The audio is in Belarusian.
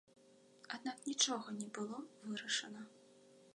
Аднак нічога не было вырашана.